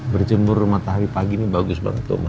berjemur matahari pagi ini bagus banget